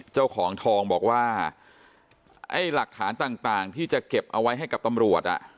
เจ้าของทองบอกว่าไอ้หลักฐานต่างที่จะเก็บเอาไว้ให้กับตำรวจอ่ะ